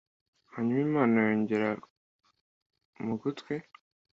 Hanyuma Imana yongorera mu gutwi